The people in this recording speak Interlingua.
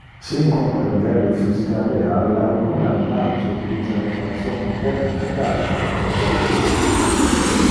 Sin comprender le physica real, alcun animales utilisa reflexion interne total pro prender pisce.